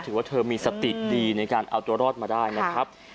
ถือว่าเธอมีสติดีในการเอาตัวรอดมาได้นะครับ